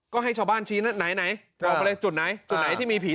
ก็ให้ชาวบ้านชี้